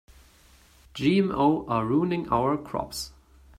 GMO are ruining our crops.